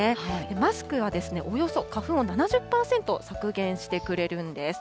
マスクはおよそ花粉を７０％削減してくれるんです。